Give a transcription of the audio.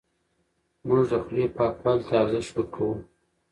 موږ د خولې پاکوالي ته ارزښت ورکوو.